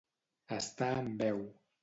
Estar en veu.